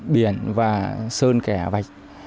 biển và sơn kẻ vạch